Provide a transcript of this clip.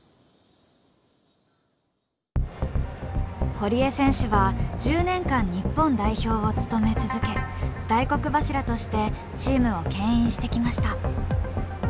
堀江選手は１０年間日本代表を務め続け大黒柱としてチームをけん引してきました。